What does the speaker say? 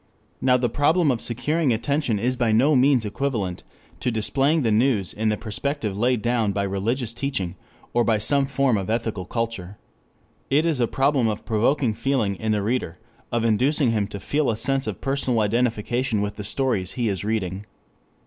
Now the problem of securing attention is by no means equivalent to displaying the news in the perspective laid down by religious teaching or by some form of ethical culture. It is a problem of provoking feeling in the reader, of inducing him to feel a sense of personal identification with the stories he is reading.